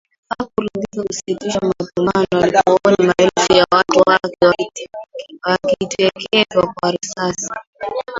Hakudiriki kusitisha mapambano alipoona maelfu ya watu wake wakiteketezwa kwa risasi